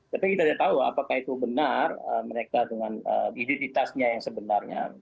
tapi kita tidak tahu apakah itu benar mereka dengan identitasnya yang sebenarnya